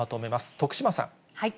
徳島さん。